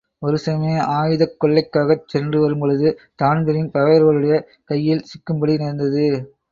ஒரு சமயம் ஆயுதக் கொள்ளைக்காகச் சென்று வரும்பொழுது தான்பிரீன் பகைவர்களுடைய கையில் சிக்கும்படி நேர்ந்தது.